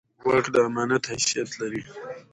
واک د امانت حیثیت لري